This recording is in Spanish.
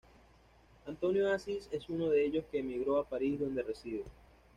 Antonio Asís es uno de ellos que emigró a París donde reside.